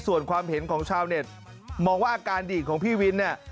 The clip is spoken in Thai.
ส่วนความเห็นของชาวเน็ตมองว่าอาการดีดของพี่วินเนี่ย